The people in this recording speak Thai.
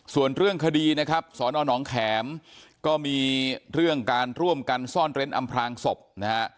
ส่วนเรื่องคดีนะครับสอนอนองแข็มก็มีเรื่องการร่วมกันซ่อนเร้นอำพลางศพนะฮะ